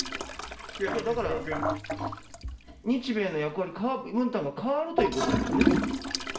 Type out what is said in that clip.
だから、日米の役割分担が変わるということですね。